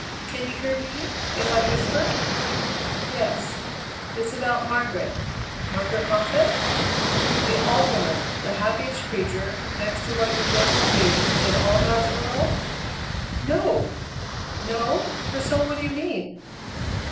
Can you hear me if I whisper?" "Yes." "It's about Margaret Margaret Moffatt." "The All Woman, the happiest creature, next to what you're going to be, in all God's world?" "No!" "No? Priscilla, what do you mean?"